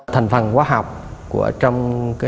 thành phần hóa học của trong